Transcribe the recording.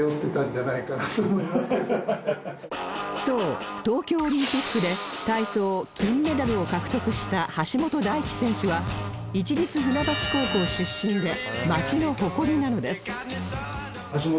そう東京オリンピックで体操金メダルを獲得した橋本大輝選手は市立船橋高校出身で街の誇りなのです